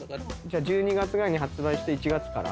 １２月ぐらいに発売して１月から？